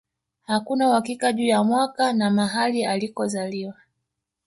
Hakuna uhakika juu ya mwaka na mahali alikozaliwa